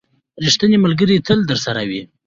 • ریښتینی ملګری تل درسره وي.